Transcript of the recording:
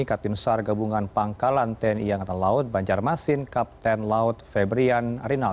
katin sar gabungan pangkalan tni angkatan laut banjarmasin kapten laut febrian rinal